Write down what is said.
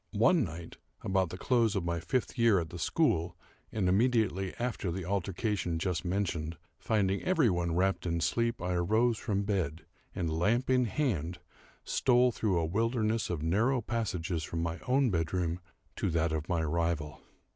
One night, about the close of my fifth year at the school, and immediately after the altercation just mentioned, finding every one wrapped in sleep, I arose from bed, and, lamp in hand, stole through a wilderness of narrow passages from my own bedroom to that of my rival.